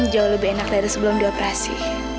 jauh lebih enak dari sebelum di operasi